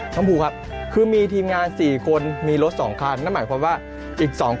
น้องภูครับคือมีทีมงาน๔คนมีรถ๒คัน